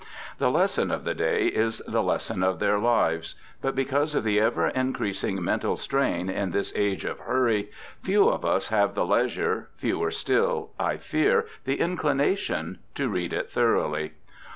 The lesson of the day is the lesson of their lives. But because of the ever increasing mental strain in this age of hurry, few of us have the leisure, fewer still, I fear, the inclination, to read it thoroughly.